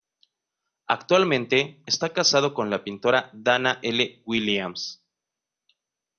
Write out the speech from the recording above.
Actualmente está casado con la pintora Dana L. Williams.